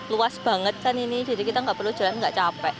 luas banget kan ini jadi kita nggak perlu jalan nggak capek